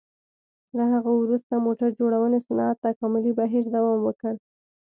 له هغه وروسته موټر جوړونې صنعت تکاملي بهیر دوام وکړ.